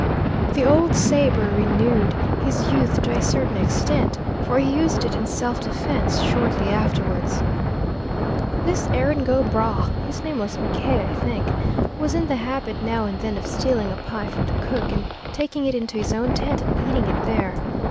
The old sabre renewed his youth to a certain extent, for he used it in self defense shortly afterwards. This Erin go bragh his name was McKay, I think was in the habit now and then of stealing a pie from the cook, and taking it into his own tent and eating it there.